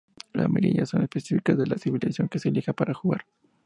La Maravillas son específicas de la civilización que se elija para jugar.